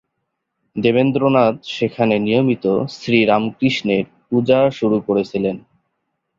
দেবেন্দ্র নাথ সেখানে নিয়মিত শ্রী রামকৃষ্ণের পূজা শুরু করেছিলেন।